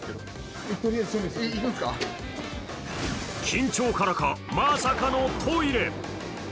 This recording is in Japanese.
緊張からか、まさかのトイレ。